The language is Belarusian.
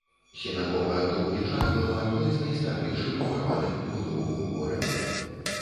Сінагога доўгі час была адной з найстарэйшых мураваных пабудоў у горадзе.